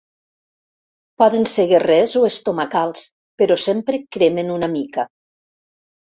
Poden ser guerrers o estomacals, però sempre cremen una mica.